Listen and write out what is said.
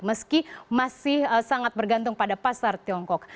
meski masih sangat bergantung pada pasar tiongkok